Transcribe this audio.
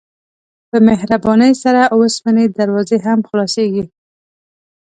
په مهربانۍ سره د اوسپنې دروازې هم خلاصیږي.